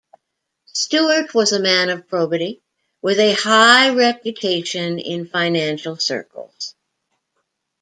Stuart was a man of probity, with a high reputation in financial circles.